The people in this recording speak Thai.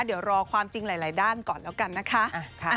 เดี๋ยวรอความจริงหลายด้านก่อนแล้วกันนะคะ